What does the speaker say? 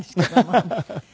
ハハハハ。